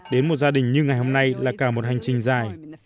đến một gia đình như ngày hôm nay là cả một hành trình dài